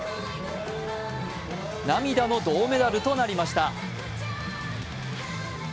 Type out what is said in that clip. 涙の銅メダルとなりました。